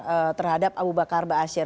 untuk pengawasan terhadap abu bakar basir